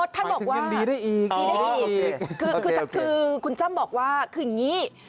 อ๋อแท่งบอกว่าคือคือคือคุณจ้ำบอกว่าคืออย่างนี้